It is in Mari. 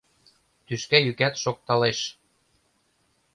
Тӱшка йӱкат шокталеш.